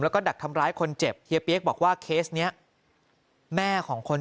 แล้วก็ดักทำร้ายคนเจ็บเฮียเปี๊ยกบอกว่าเคสนี้แม่ของคน